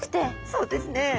そうですね。